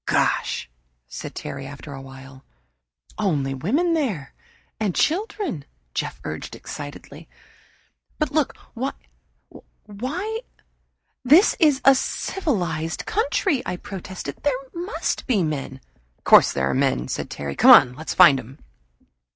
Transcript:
"Gosh!" said Terry, after a while. "Only women there and children," Jeff urged excitedly. "But they look why, this is a civilized country!" I protested. "There must be men." "Of course there are men," said Terry. "Come on, let's find 'em."